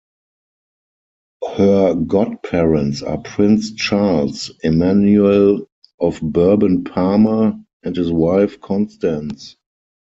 Her godparents are Prince Charles-Emmanuel of Bourbon-Parma and his wife Constance.